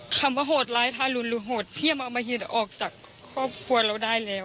คำว่าโหดร้ายทารุณหรือโหดเที่ยมอมหิตออกจากครอบครัวเราได้แล้ว